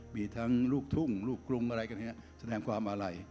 มีทั้งลูกทุ่งลูกกรุงอะไรกันเนี่ยแสดงความอาลัย